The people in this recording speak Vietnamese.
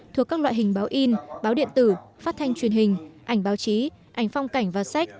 thuộc các loại hình báo in báo điện tử phát thanh truyền hình ảnh báo chí ảnh phong cảnh và sách